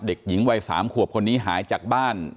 เด็กหญิงวัย๓ขวบคนนี้หายจากบ้าน